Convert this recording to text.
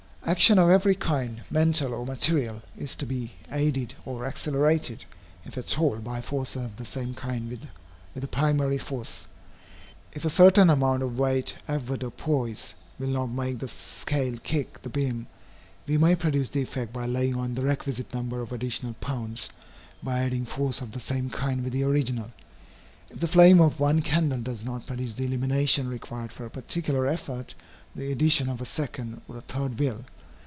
Action of every kind, mental or material, is to be aided or accelerated, if at all, by forces of the same kind with the primary force. If a certain amount of weight avoirdupois will not make the scale kick the beam, we may produce the effect by laying on the requisite number of additional pounds, by adding force of the same kind with the original. If the flame of one candle does not produce the illumination required for a particular effort, the addition of a second or a third will.